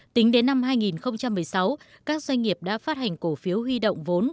tính đến năm hai nghìn một mươi sáu các doanh nghiệp đã phát hành cổ phiếu huy động vốn